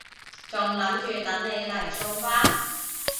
仲諗住等你嚟送花